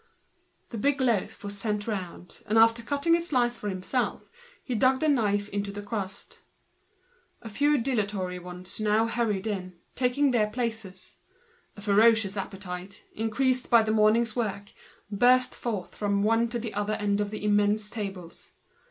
The big loaf was sent round, and after cutting a slice for himself he dug the knife into the crust. A few dilatory ones now hurried in, taking their places; a ferocious appetite, increased by the morning's work, ran along the immense tables from one end to the other.